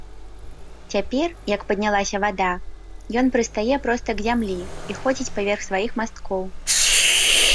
Цяпер, як паднялася вада, ён прыстае проста к зямлі і ходзіць паверх сваіх масткоў.